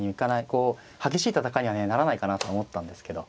こう激しい戦いにはねならないかなとは思ったんですけど。